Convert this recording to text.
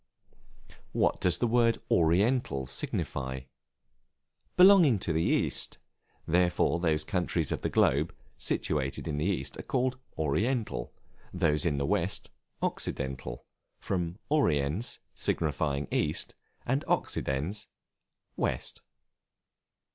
What does the word Oriental signify? Belonging to the East; therefore those countries of the globe situated in the East are called Oriental, those in the West, Occidental, from Oriens, signifying East, and Occidens, West.